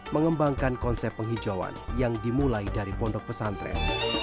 mengembangkan konsep penghijauan yang dimulai dari pondok pesantren